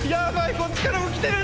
こっちからも来てる。